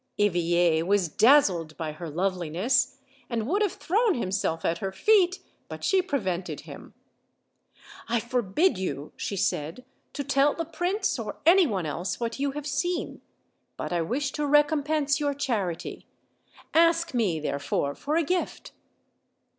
Eveilie was dazzled by her loveliness, and would have thrown himself at her feet, but she prevented 10 Q OLD, OLD FAIRY TALES. "I forbid you," she said, "to tell the prince or any one else what you have seen; but I wish to recompense your charity. Ask me, therefore, for a gift."